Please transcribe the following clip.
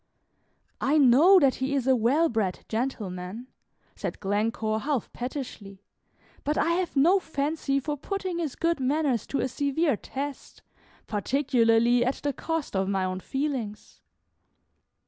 "I know that he is a well bred gentleman," said Glencore, half pettishly; "but I have no fancy for putting his good manners to a severe test, particularly at the cost of my own feelings."